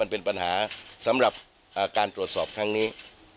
เป็นปัญหาสำหรับการตรวจสอบครั้งนี้